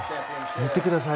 見てください。